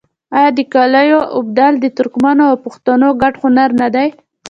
آیا د قالیو اوبدل د ترکمنو او پښتنو ګډ هنر نه دی؟